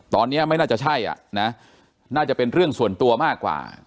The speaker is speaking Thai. ตอนนี้ไม่น่าจะใช่อ่ะนะน่าจะเป็นเรื่องส่วนตัวมากกว่า